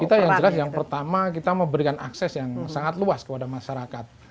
kita yang jelas yang pertama kita memberikan akses yang sangat luas kepada masyarakat